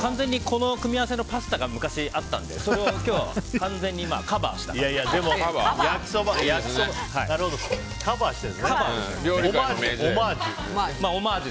完全にこの組み合わせのパスタが昔あったので、それを今日は完全にカバーした感じ。